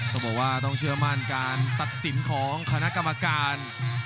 ต้องบอกว่าต้องเชื่อมั่นการตัดสินของคณะกรรมการ